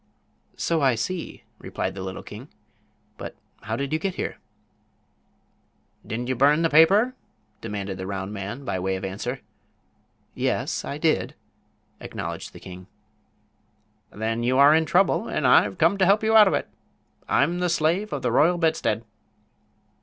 "So I see," replied the little king. "But how did you get here?" "Didn't you burn the paper?" demanded the round man, by way of answer. "Yes, I did," acknowledged the king. "Then you are in trouble, and I've come to help you out of it. I'm the Slave of the Royal Bedstead."